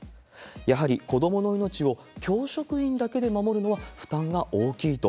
やはり子どもの命を教職員だけで守るのは負担が大きいと。